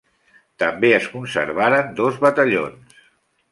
També es conservaran dos batallons.